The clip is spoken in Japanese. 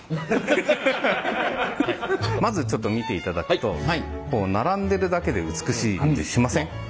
まずちょっと見ていただくと並んでるだけで美しい感じしません？